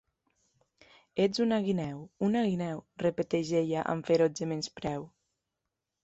"Ets una guineu, una guineu", repeteix ella amb ferotge menyspreu.